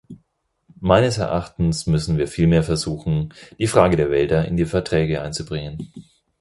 Meines Erachtens müssen wir vielmehr versuchen, die Frage der Wälder in die Verträge einzubringen.